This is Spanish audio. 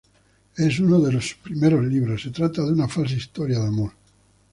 Es uno de sus primeros libros, se trata de una falsa historia de amor.